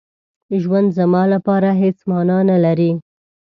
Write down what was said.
ژوند زما لپاره هېڅ مانا نه لري.